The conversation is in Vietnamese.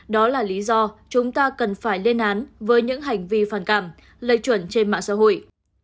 đó là lý do chúng ta cần phải lên án với những hành vi phản cảm lây chuẩn trên mạng xã hội